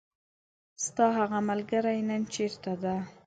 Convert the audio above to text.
ستاهغه ملګری نن چیرته ده .